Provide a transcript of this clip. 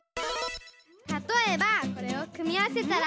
たとえばこれをくみあわせたら。